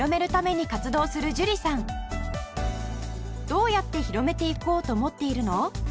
どうやって広めていこうと思っているの？